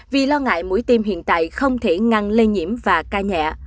vì lo ngại mũi tiêm hiện tại không thể ngăn lây nhiễm và ca nhẹ